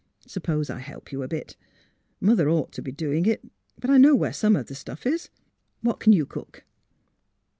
Suppose I help you a bit. Mother ought to be doing it ; but I know where some of the stuff is. What can you cook?